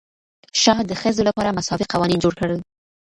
شاه د ښځو لپاره مساوي قوانین جوړ کړل.